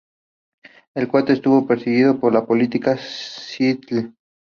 El coche estuvo perseguido por la policía de Seattle.